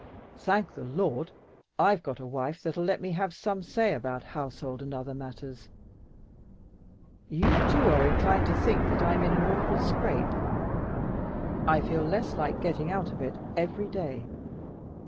Thank the Lord! I've got a wife that'll let me have some say about household and all other matters. You, too, are inclined to think that I'm in an awful scrape. I feel less like getting out of it every day.